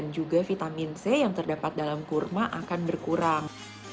juga vitamin c yang terdapat dalam kurma akan berkurang